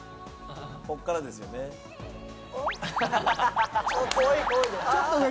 こっからですよね。